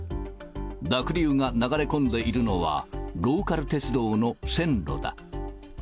濁流が流れ込んでいるのは、ローカル鉄道の線路だ。